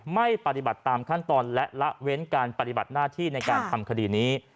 ไม่ปฏิบัติตามขั้นตอนและละเว้นการปฏิบัติหน้าที่ในการทำคดีนี้